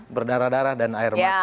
berdarah darah dan air mata